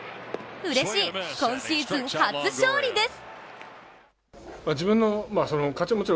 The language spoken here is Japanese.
うれしい今シーズン初勝利です。